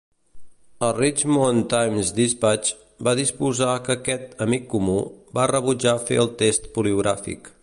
El "Richmond Times-Dispatch" va informar que aquest "amic comú" va rebutjar fer el test poligràfic.